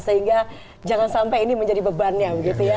sehingga jangan sampai ini menjadi bebannya begitu ya